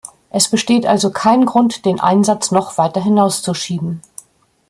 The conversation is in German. Es besteht also kein Grund, den Einsatz noch weiter hinauszuschieben.